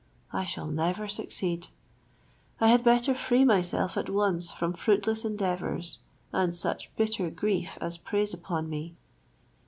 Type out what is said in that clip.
I shall never succeed; I had better free myself at once from fruitless endeavours, and such bitter grief as preys upon me."